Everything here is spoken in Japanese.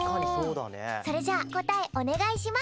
それじゃあこたえおねがいします！